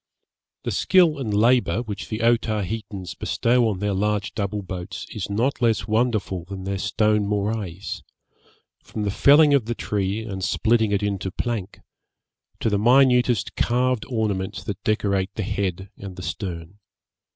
The skill and labour which the Otaheitans bestow on their large double boats is not less wonderful than their stone morais, from the felling of the tree and splitting it into plank, to the minutest carved ornaments that decorate the head and the stern.